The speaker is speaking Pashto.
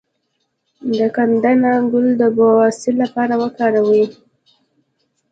د ګندنه ګل د بواسیر لپاره وکاروئ